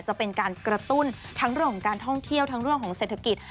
จะเป็นการกระตุ้นทั้งเรื่องของการท่องเที่ยวทั้งเรื่องของเศรษฐกิจ